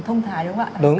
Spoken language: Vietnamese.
thông thái đúng không ạ